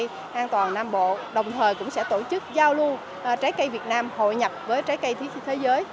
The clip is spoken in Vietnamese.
hội thi trái cây an toàn nam bộ đồng thời cũng sẽ tổ chức giao lưu trái cây việt nam hội nhập với trái cây thế giới